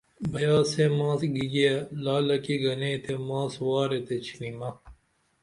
بیاسے ماس گیاگے، لعل کی گنے تے ماس وارے تے ڇھینمہ